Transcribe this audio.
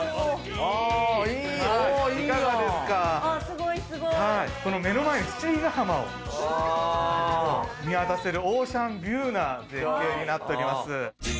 ああすごいすごい目の前に七里ヶ浜を見渡せるオーシャンビューな絶景になっております